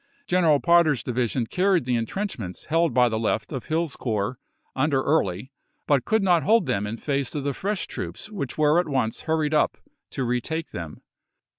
Gen eral Potter's division carried the intrenchments held by the left of Hill's corps, under Early, but could not hold them in face of the fresh troops which were at once hurried up to retake them.